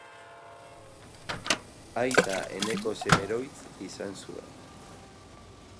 Aita Eneko Semeroitz izan zuen.